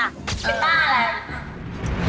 เป็นต้านอะไร